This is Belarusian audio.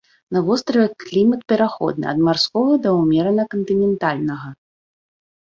На востраве клімат пераходны ад марскога да ўмерана-кантынентальнага.